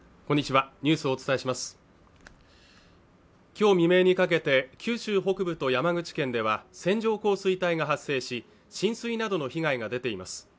今日未明にかけて、九州北部と山口県では線状降水帯が発生し、浸水などの被害が出ています。